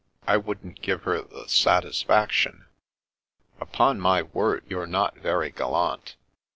I wouldn't give her the satisfac tion." " Upon my word, you're not very gallant."